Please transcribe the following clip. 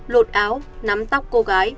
lột áo nắm tóc cô gái